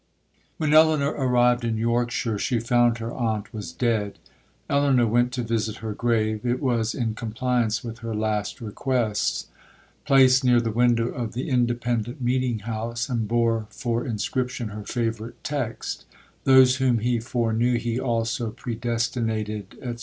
'When Elinor arrived in Yorkshire, she found her aunt was dead. Elinor went to visit her grave. It was, in compliance with her last request, placed near the window of the independent meetinghouse, and bore for inscription her favourite text, 'Those whom he foreknew, he also predestinated,' &c.